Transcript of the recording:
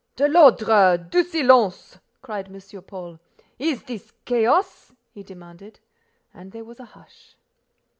"De l'ordre! Du silence!" cried M. Paul. "Is this chaos?", he demanded; and there was a hush.